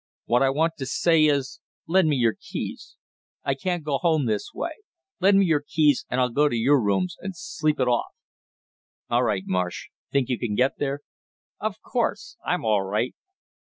What I want to say is, lend me your keys; I can't go home this way lend me your keys and I'll go to your rooms and sleep it off." "All right, Marsh; think you can get there?" "Of course; I'm all right."